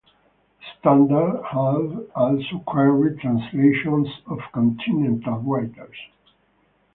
The Standard has also carried translations of continental writers.